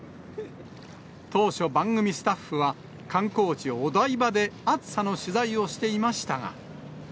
当初、番組スタッフは観光地、お台場で暑さの取材をしていましたが。